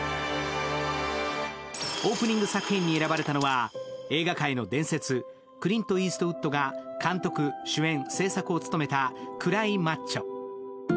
オープニング作品に選ばれたのは映画界の伝説クリント・イーストウッドが監督・主演・製作を務めた「クライ・マッチョ」。